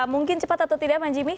mungkin cepat atau tidak man jimmy